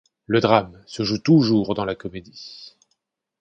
Le drame se joue toujours dans la comédie.